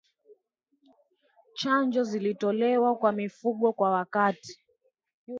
Chanjo zitolewe kwa mifugo kwa wakati